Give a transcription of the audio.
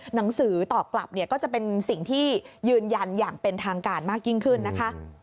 หนังสือตอบกลับเนี่ยก็จะเป็นสิ่งที่ยืนยันอย่างเป็นทางการมากยิ่งขึ้นนะคะ